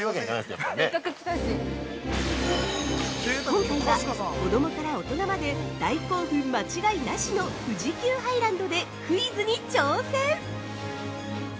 ◆今回は子供から大人まで大興奮間違いなしの富士急ハイランドでクイズに挑戦！